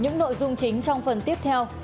những nội dung chính trong phần tiếp theo